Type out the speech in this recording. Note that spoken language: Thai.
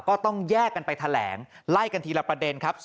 ก็ต้องแยกกันไปแถลงไล่กันทีละประเด็นครับ